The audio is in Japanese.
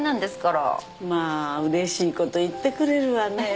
まあうれしいこと言ってくれるわね。